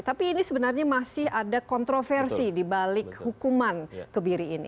tapi ini sebenarnya masih ada kontroversi dibalik hukuman kebiri ini